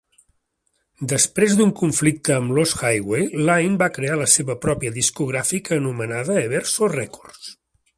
Després d'un conflicte amb Lost Highway, Lynne va crear la seva pròpia discogràfica, anomenada Everso Records.